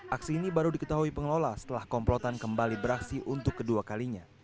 aksi ini baru diketahui pengelola setelah komplotan kembali beraksi untuk kedua kalinya